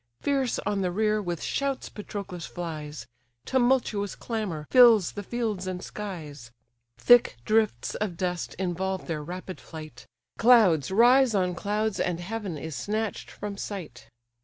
Fierce on the rear, with shouts Patroclus flies; Tumultuous clamour fills the fields and skies; Thick drifts of dust involve their rapid flight; Clouds rise on clouds, and heaven is snatch'd from sight.